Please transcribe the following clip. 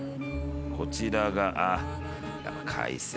こちらがあっやっぱ海鮮ね。